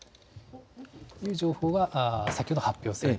いう情報が先ほど発表された。